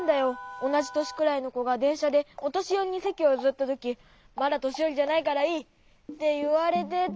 おなじとしくらいのこがでんしゃでおとしよりにせきをゆずったとき「まだとしよりじゃないからいい」っていわれてて。